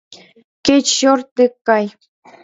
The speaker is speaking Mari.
Кеч чорт дек кай!..